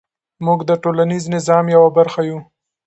موږ د ټولنیز نظام یوه برخه یو.